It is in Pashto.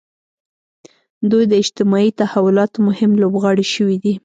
دوی د اجتماعي تحولاتو مهم لوبغاړي شوي دي.